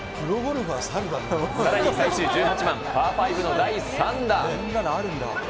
さらに最終１８番パー５の第３打。